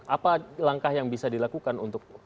apa langkah yang bisa dilakukan untuk